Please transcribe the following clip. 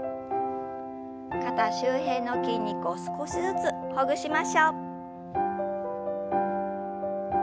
肩周辺の筋肉を少しずつほぐしましょう。